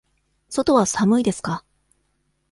外は寒いですか。